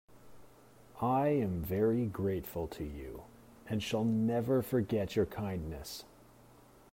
I am very grateful to you, and shall never forget your kindness.